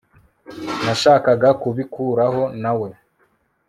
Nashakaga kubikuraho nawe